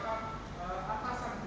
kita tahu bahwa